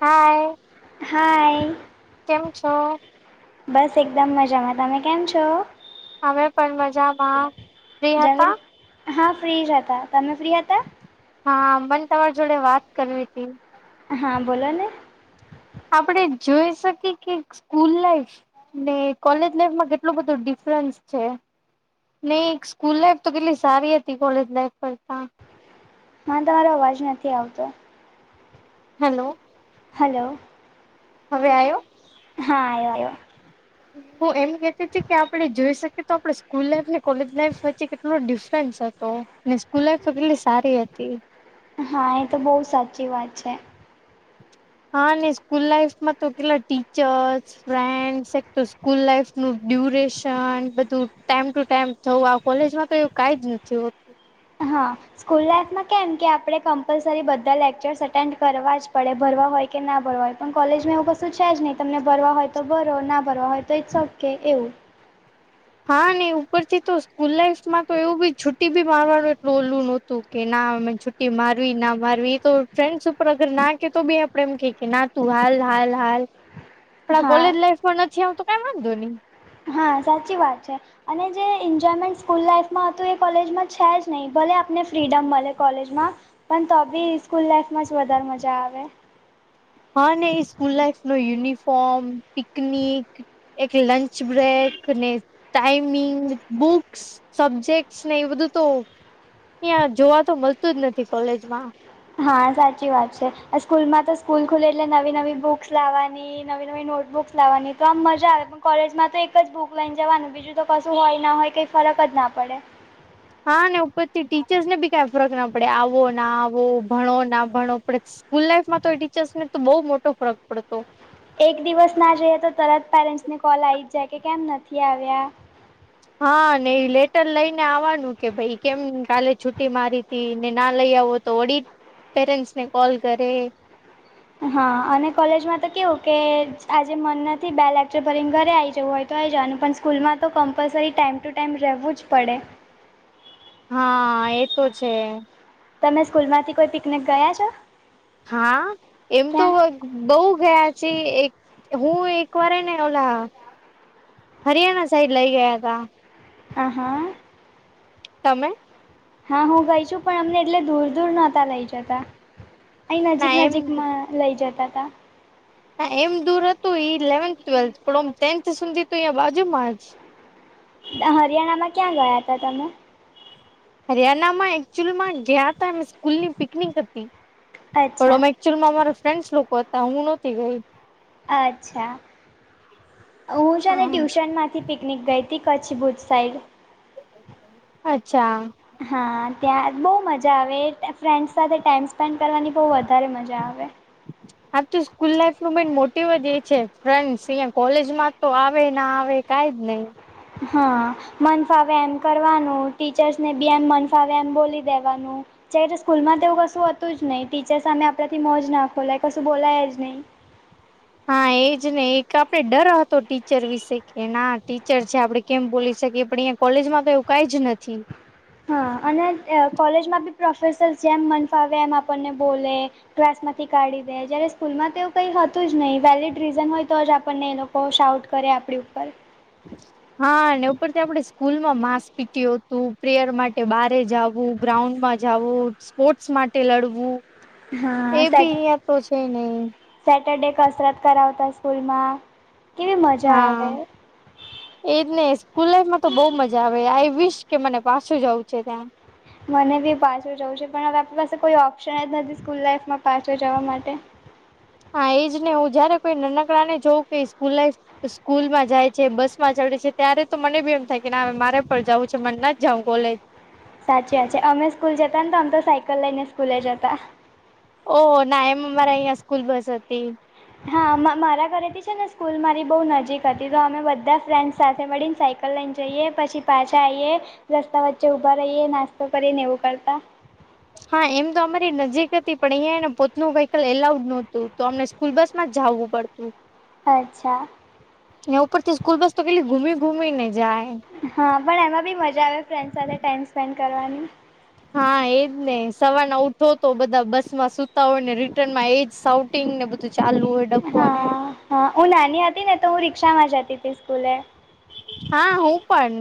હાય. Hi. કેમ છો? બસ એકદમ મજામાં. તમે કેમ છો? અમે પણ મજામાં. ફ્રી હતા? જમી હા ફ્રી જ હતા. તમે ફ્રી હતા? હા, મન તમાર જોડે વાત કરવીતી. હા, બોલો ને. આપડે જોઈ શકીએ કે એક સ્કૂલ લાઈફ ને કોલેજ લાઈફમાં કેટલું બધું ડિફરન્સ છે. ને એક સ્કૂલ લાઈફ તો કેટલી સારી હતી કોલેજ લાઈફ કરતા. મારે તમારો અવાજ નથી આવતો. હેલો! હેલો! હવે આયો? હા, આયો આયો. [inaudible] હું એમ કેહતી તી કે આપડે જોઈ શકીએ તો આપડે સ્કૂલ લાઈફ અને કોલેજ લાઈફ વચ્ચે કેટલો ડિફરન્સ હતો. ને સ્કૂલ લાઈફ તો કેટલી સારી હતી. હા, એ તો બહુ સાચી વાત છે. હા અને સ્કૂલ લાઈફમાં તો કેટલા ટીચર્સ ફ્રેન્ડસ એક તો સ્કૂલ લાઈફનું ડ્યુરેશન બધું ટાઈમ ટુ ટાઈમ તો આવ કોલેજમાં તો એવું કાંઈ જ નથી હોતુ. હા. સ્કૂલ લાાઈફમાં કેમ કે આપડે કમ્પલસરી બધા લેકચર્સ એટેન્ડ કરવા જ પડે ભરવા હોય કે ના ભરવા હોય પણ કોલેજમાં એવું કશું છે જ નહીં તમને ભરવા હોય તો ભરો ના ભરો તો ઇટ્સ ઓકે એવું. હા ને ઉપરથી તો સ્કૂલ લાઈફમાં તો એવું ભી છુટીભી મારવાનું એટલું ઓલું નહોતું. કે ના અમે છુ્ટી મારવી ના મારવી એતો તો ફ્રેન્ડસ ઉપર અગર નાકે તો બી આપડે એમ કેના તો હાલ હાલ હાલ આપણા હા કોલેજ લાઈફમાં નથી, આવું તો કઈ વાંધો નહી. હા, સાચી વાત છે. અને જે એન્જોયમેન્ટ સ્કૂલ લાઈફમાં હતું એ કોલેજમાં છે જ નહીં ભલે આપને ફ્રીડમ મળે કોલેજમાં. પણ તો બી સ્કૂલ લાઈફમાં જ વધારે મજા આવે. હા, ને એ સ્કૂલ લાઈફ નો યુનિફોર્મ પિકનિક. એક લંચ બ્રેક ને ટાઈમિંગ બુક્સ. સબ્જેક્ટશ ને એ બધું તો અહીયાં જોવા તો મળતું જ નથી કોલેજ માં હા સાચી વાત છે અ સ્કૂલ માં તો સ્કૂલ ખુલે એટલે નવી નવી બુક્સ લાવવાની. નવી નવી નોટબુક્સ લવાની તો આમ મજા આવે પણ કોલેજમાં તો એક જ બુક લઈ જવાનું બીજુ બીજું તો કશું હોય ના હોય કઈ ફરક જ ના પડે. હા ને ઉપરથી ટીચર્સ ને બી કઈ ફરક ના પડે આવો ના આવો ભણો ના ભણો પ્રીત્સ સ્કૂલ લાઈફમાં તો એ ટીચર્સ તો બહુ મોટો પડતો. એક દિવસ ના જઈએ તો તરત પેરેન્ટ્સને કોલ આવી જ જાય કે કેમ નથી આવ્યા. હા ને એ લેટર લઈને આવાનું કે ભાઈ કેમ કાલે છુટ્ટી મારી તી ને ના લઈ આવો તો ઓડી- પેરેન્ટ્સ ને કોલ કરે. હા અને કોલેજમાં તો કેવું કે આજે મન નથી બે લેકચર ભરીને ઘરે આઇ જવું હોય. તો આઈ જાવાનું પણ સ્કૂલમાં તો કમ્પલસરી ટાઈમ ટુ ટાઈમ રહેવું જ પડે. હા એતો છે. તમે સ્કૂલ માંથી કોઈ પિકનિક ગયા છો હા એમ તો ક્યાં વ બઉ ગયા છે એક હું એક વાર એને ઓલા હરિયાણા સાઈડ લઈ ગયા તા આહ તમે હા હું ગઈ છું પણ અમને એટલે દૂર દૂર નતા લઈ જતા અહીં ના નજીક એમ નજીકમાં લઈ જતા તા. હા એમ દૂર હતું ઇલેવન્થ ટ્વેલ્થ પણ ઓમ ટેન્થ સુધી તો અહીયા બાજુમાં જ તા હરિયાણામાં ક્યાં ગયા હતા તમે હરિયાણામાં એકચુલી માં ગયાં હતા એ સ્કૂલ ની પિકનિક હતી પણ અચ્છા અમે એકચુલમાં મારા ફ્રેન્ડ્સ લોકો હતા હું નહોતી ગઈ. અચ્છા હું છે ને ટ્યુશન માંથી પિકનિક ગઈ હતી કચ્છ ભુજ સાઈડ. અચ્છા હા ત્યાં બહુ મજા આવે ત્યાં ફ્રેન્ડ્સ ટાઈમ સ્પેન્ડ કરવાની બહુ વધારે મજા આવે. [unintelligible] સાચું સ્કૂલ લાઈફનું મેન મોટીવ જ એ છે ફ્રેન્ડસ અહિયાં કોલેજમાં તો આવે ના આવે. કંઈ જ નહી. હા મન ફાવે એમ કરવાનું ટીચર્સને બી એમ મન ફાવે એમ બોલી દેવાનું જ્યારે સ્કૂલમાં તેવું કશું હતું જ નહીં ટીચર સામે આપણાથી મો જ ના ખોલાય કશું બોલાય જ નહીં હા એ જ ને એક આપડે ડર હતો ટીચર વિશે કે ના ટીચર છે આપડે કેમ બોલી શકીએ પણ અહીંયા કોલેજ માં તો‌ એવુ કઈ જ નથી. હા અને અ કોલેજમાં બી પ્રોફેસર જેમ મન ફાવે એમ આપણને બોલે. ક્લાસ માંથી કાઢી દે જયારે સ્કૂલ માં તો કંઈ હતું જ નહીં વેલીડ રીઝન હોય તો જ આપણને એ લોકો બહુ શાઉટ કરે, આપણી ઉપર- હા, ને ઉપરથી આપણે સ્કૂલ માં માસ પીટી હતું, પ્રેયર માટે બારે જાવુ. ગ્રાઉન્ડમાં જવું, સ્પોર્ટ્સ માટે લડવું. એ હા બી સેટ અહિયાં તો છે નહીં. સેટરડે કસરત કરાવતા સ્કૂલ માં, કેવી મજા આવે. હા એજ ને, સ્કૂલ લાઈફમાં તો બહુ મજા આવે. આઈ વિશ, કે મને પાછું જવું છે ત્યાં. મને બી પાછું જવું છે. પણ હવે આપણી પાસે કોઈ ઓપ્શન જ નથી, સ્કૂલ લાાઈફમાં પાછળ જવા માટે. હા એજ ને, હું જયારે કોઈ નાનકડા ને જોઉ કે સ્કૂલ લાઈફ- સ્કૂલ માં જાય છે, બસ માં ચડે છે, ત્યારે તો મને બી એમ થાય કે, ના હવે મારે પણ જાવું છે. મને નથી જાઉ કોલેજ- સાચી વાત છે, અમે સ્કૂલ જતા ને, તો આમ તો સાયકલ લઈને સ્કૂલે જતા. ઓહ! ના, એમ અમારા અહીં સ્કૂલ બસ હતી. હા મારા ઘરેથી છે, ને સ્કૂલ મારી બહુ નજીક હતી, તો અમે બધા ફ્રેન્ડસ સાથે મળીને સાયકલ- લઈને જઈએ, પછી પાછા આઈએ, રસ્તા વચ્ચે ઊભા રહીએ, નાસ્તો કરીને એવું કરતા. હા, એમ તો અમારી નજીક હતી, પણ અહિયાંને પોતનું વ્હીકલ એલાઉડ નોતું. તો અમે- સ્કૂલ બસમાં જાવું પડતું. અચ્છા, ઉપરથી સ્કૂલ બસ તો કેટલી ઘૂમી ઘૂમીને જાય. હા, પણ એમાં બી મજા આવે ફ્રેન્ડસ સાથે ટાઈમ સ્પેન્ડ કરવાની. હા એજ ને, સવારના ઉઠોતો બધા બસમાં સુતા હોય ને રિટર્નમાં એજ સાવ - [unintelligible] ને બધું ચાલુ હોય, ડખો ને હા, હા, હું નાની હતી ને તોહું રિક્ષામાં જતી હતી સ્કૂલે. હા, હું, પણ.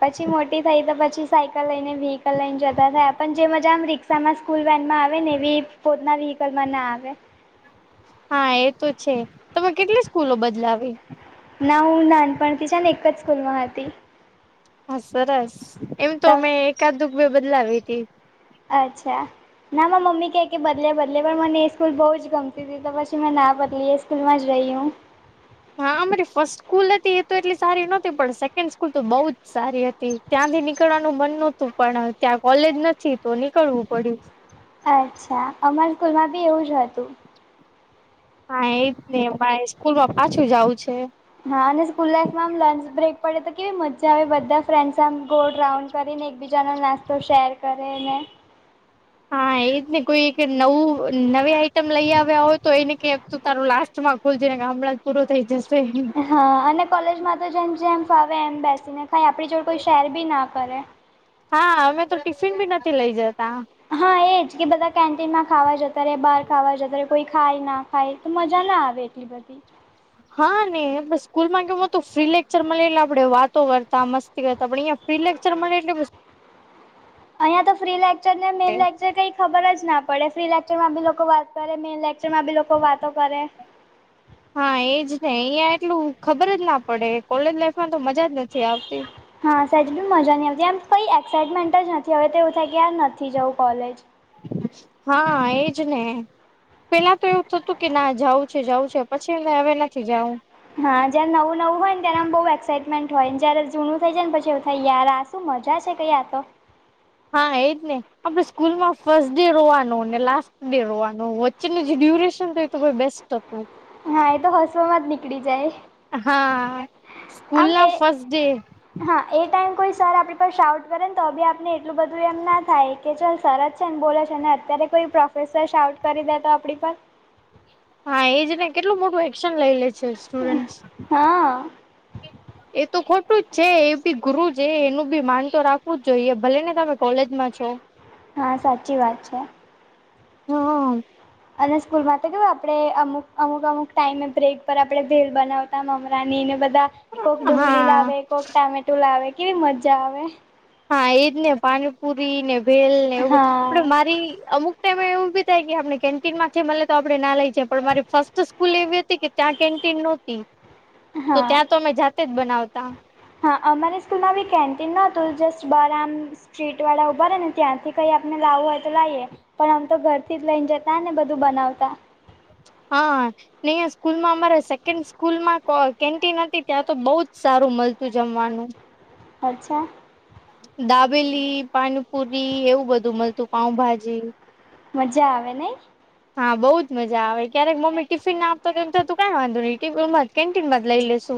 પછી, મોટી થઈ તો પછી સાયકલ લઈને વ્હીકલ લઈને જતા થયા. પણ જે મજા આમ રી- તમે સ્કૂલ વેનમાં આવે, ને એવી પોતના વ્હીકલમાં ના આવે. હા એતો છે, તમે કેટલી સ્કૂલો બદલાવી. ના હું નાનપણથી છેને, એક જ સ્કૂલમાં હતી. હા સરસ, એમ તો મેં એકાદુ ક બે બદલાવી તી. અચ્છા, ના, મારી મમ્મી કે બદલે બદલે પણ, મને એ સ્કૂલ બહુ જ ગમતી તી તો પછી મેના બદલી. સ્કૂલમાં જ રહી હું. હા અમારી ફર્સ્ટ સ્કૂલ હતી, એતો એટલી સારી નતી, પણ સેકન્ડ સ્કૂલ તો બઉ જ સારી હતી. ત્યાંથી નીકળવાનું મન નોતું, પણ ત્યાં કોલેજ નથી તો નીકળવું પડ્યું. અચ્છા, અમારી સ્કૂલમાં ભી એવું જ હતું. હા, એજને, મારે સ્કૂલમાં પાછું જાવું છે. હા, અને સ્કૂલ લાઈફમાં આમ લંચ બ્રેક પડે તો કેવી મજા- જે, અમે બધા ફ્રેન્ડસ આમ ગોળ રાઉન્ડ કરીને, એકબીજાનો નાસ્તો શેર કરે ને- હા, એજને. કોઈ નવું નવી આઈટમ લઈ આવ્યા હોય તો એને કે- - તું તારું લાસ્ટમાં ખોલજે, નેકે હમણાં જ પૂરું થઈ જશે. હા, અને કોલેજમાં તો જેમ જેમ ફાવે એમ બેસીને ખાય. આપણી જોડ કોઈ શેર બી ના કરે. હા, અમેતો ટિફિન બી નથી લઇ જતા. હા એજ, કે બધા કેન્ટીનમાં ખાવા જતા રહેે, બાર ખાવા જતા રહે. કોઈ ખાય ના ખાય તો, મજાના આવે એટલી બધી. હા, ને સ્કૂલમાં કેવું હતું ફ્રી લેક્ચર મળે એટલે આપણે વાતો કરતા, મસ્તી કરતા પણ અહીંયા- ફ્રી લેક્ચર મળે એટલે- અહિયાં યાતો, ફ્રી લેક્ચરને મેન લેકચર કંઈ ખબર જ ના પડે. ફ્રી લેક્ચર માં ભી લોકો વાત કરે મેન લેક્ચર- જેમાં ભી લોકો વાતો કરે હા એજને અહિયાં એટલું ખબર જના પડે કોલેજ લાઈફમાં તો મજા જ નથી આવતી. હા સાચ ભી મજાનની આવતી એમ કંઈ એક્સાઈટમેન્ટ જ નથી, હવે તો એવું થાય કે યાર નથી જવું કોલેજ. હા, એજ ને પેલા તો એવું થતું કેના જઉ છે, જઉ છે. પછી હવે નથી જઉ. હા જયારે નવું નવું હોય ને ત્યારે આમ બહુ એક્સાઈટમેન્ટ હોય જયારે જૂનું થઇ જાય પછી એ યાર આ શું મજા છે, કંઈ આતો. હા એજ ને આપડે સ્કૂલમાં ફસ્ટ ડે રોવાનું ને લાસ્ટ ડે રોવાનું. ને ડ્યુરેશન તો એક તો કોઈ બેસ્ટ હતો એ. હા એતો હસવામાં જ નીકળી જાય. હા. સ્કૂલના ફસ્ટ ડે હાએ ટાઈમ કોઈ સર આપડી પાસે આઉટ કરેને તો અી આપને એટલું બધું એમના થાય કે ચલ સરાજ છે ને બોલે છે અને અત્યારે કોઈ પ્રોફેસર શાઉટ કરી દેતો આપડી પર હા એજને કેટલું મોટું એક્શન લઇ લે છે સ્ટુડન્ટસ. હા એ તો ખોટું જ છે એ બી ગુરુ છે એનું બી માન તો રાખવું જ જોઈએ ભલે ને તમે કોલેજ માં છો. હા, સાચી વાત છે. હ અને સ્કૂલ માં તો કેવું આપડે અમુક અમુક અમુક ટાઈમે બ્રેક પર આપડે ભેલ બનાવ તા બનાવતા મમરાની ને બધા કોક ડુંગળી હા લાવે એકક ટામેટો લાવે કેવી મજા આવે. હા એજ ને પાણીપુરી ને ભેલ ને એવું બધું આપડે હા મારી અમુક ટાઈમેં એવું એવું ભી થાય કે આપડે કેન્ટીનમાથી મલે તો આપડે ના લઈએ પણ મારી ફર્સ્ટ સ્કૂલ એવી હતી કે ત્યાં કેન્ટીન નહોતી. તો હા ત્યાં તો અમે જાતેજ બનાવતા? હા, અમારી સ્કૂલમાં બી કેન્ટીન નતું જસ્ટ બાર આમ સ્ટ્રીટ વાળા ઉભા રેને ત્યાંથી કઈ આપને લાવું હોય તો લાઈએ. પણ આમતો ઘરથી જ લઈને જતા ને બધું બનાવતા. હા. નહી આ સ્કૂલમાં અમારે સેકન્ડ સ્કૂલમાં તો કો કેન્ટિન હતી ત્યાં તો બહુજ સારું મલતું જમવાનું. [inaudible] અચ્છા. દાબેલી પાનપુરી એવું બધું મલતું પાઉભાજી. મજા આવે નઈ? હા બઉુજ મજા આવે ક્યારેક મમ્મી ટિફિન ના આપતો જો તું કઈ વાંધો નહીં ટિફિનમા જ કેન્ટીન માં જ લઈ લેશુ.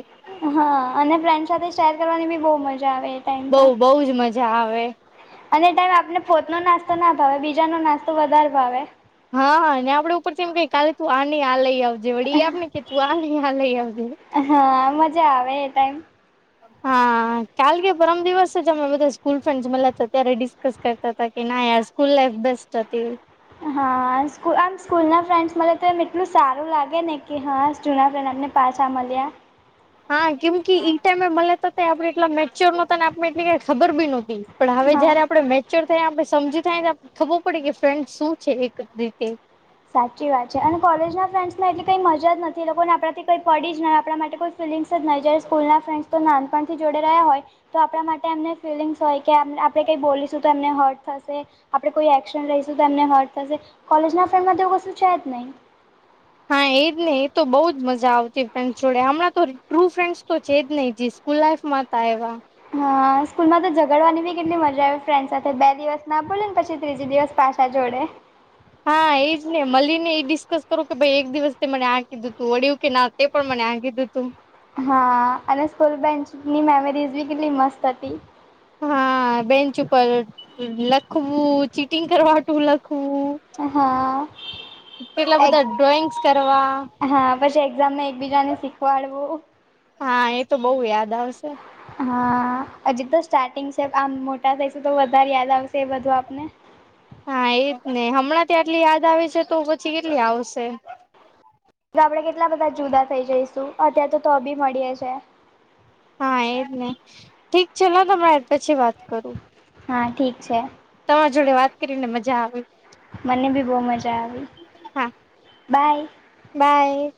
હા અને ફ્રેન્ડ સાથે શેર કરવાની બી બૌ મજા આવે. ટાઈમ બઉ તો બઉ જ મજા આવે. અને એ ટાઈમ આપને પોતનો નાસ્તો ના ભાવે બીજાનો નાસ્તો વધારે ભાવે. હા ને આપડે ઉપરથી એમ કઈએ કાલે તું આ નહી આ લઈ આવ જે વડી આપ ને કે તું આ નહી આ લઈ આવજે. હા, મજા આવે એ ટાઈમ. હા, કાલ કે પરમ દિવસેજ અમે બધા સ્કૂલ ફ્રેન્ડ મલ્યા હતા ત્યારે ડિસ્કસ કરતા તા કે ના યાર સ્કૂલ લાઇફ બેસ્ટ હતી. હાસ સ્કુ આમ સ્કૂલના ફ્રેન્ડ્સ મલે તો એમ એટલું સારું લાગેને કે હાસ જૂના ફ્રેન્ડ આપણે પાછા મલ્યા. હા કેમ કે ઈ ટાઈમે મલે તો તે આપડે એટલા મેચ્યોર નહોતા ને આપણે એટલી કઈ ખબર બી નહોતી. પણ હવે હા જ્યારે આપડે મેચ્યોર થાય આપણે સમજું થયા તૈયા ખબર પડે ફ્રેન્ડ શું છે એક રીતે. સાચી વાત છે. અને કોલેજ ના ફ્રેન્ડ્સમાં એટલી કઈ મજા જ નથી લોકોને આપણાથી કઈ પડી જ આપણા માટે કોઈ ફિલિંગ્સ જ નહી જાય સ્કૂલ ના ફ્રેન્ડ તો નાનપણથી જોડે રહ્યા હોય તો આપણા માટે એમને ફિલિંગ્સ હોય કે એમને આપણે કંઈ બોલીશું તો એમને હર્ટ થશે. આપડે કોઈ એકશન લઈશું તો એમને હર્ટ થશે કોલેજ ના ફ્રેન્ડ મા તો એવું કશું છેજ નહી. હા એજ નહી એ તો બહુ જ મજા આવતી ફ્રેન્ડસ જોડે હમણાં તો ટ્રુ ફ્રેન્ડસ તો છે જ નહી જીશ. સ્કૂલ લાઇફ મા હતા એવા. હા સ્કૂલમાં તો ઝગડવાની બી કેટલી મજા આવે ફ્રેન્ડ સાથે બે દિવસ ના બોલે ને પછી ત્રીજે દિવસ પાછા જોડે. હા એજ ને મલીને એ ડિસ્કસ કરો કે ભાઈ એક દિવસ તે મને આ કીધું તું વળયુ કે ના તે પણ મને આ કીધું તું. હા અને સ્કૂલ બેન્ચની મેમરીઝ બી કેટલી મસ્ત હતી. હા બેન્ચ ઉપર લખવું ચીટિંગ કરવા હાટું લખવું. હા. કેટલા એક બધા ડ્રોઈંગ્સ કરવા હા પછી એક્ઝામ ને એકબીજાને શીખવાડવું. હા એ તો બહુ યાદ આવશે. હા અજી તો સ્ટાટિંગ છે આમ મોટા થઇશું તો વધારે યાદ આવશે એ બધું આપને. હા એજને હમણાં થી આટલી યાદ આવે છે તો પછી કેટલી આવશે. આપડે કેટલા બધા જુદા થઇ જઈશું અત્યારે તો તો બી મળીએ છે. હા એજ ને ઠીક ચલો તમે પછી વાત કરું. હા ઠીક છે. તમાર જોડે વાત કરીને મજા આવી. મને બી બહુ મજા આવી હા બાય. બાય.